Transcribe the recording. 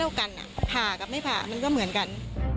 กันผ่ากับไม่ผ่ามันก็เหมือนกัน